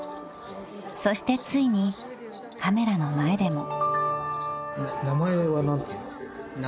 ［そしてついにカメラの前でも］